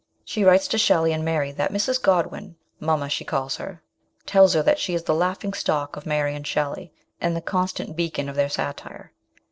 She writes to Shelley and Mary that Mrs. Godwin mamma she calls her tells her that she is the laughing stock of Mary and Shelley, and the constant " beacon of their satire.